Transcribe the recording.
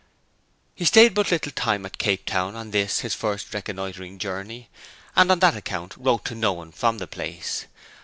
He stayed but a little time at Cape Town on this his first reconnoitring journey; and on that account wrote to no one from the place.